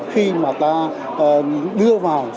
khi mà ta đưa vào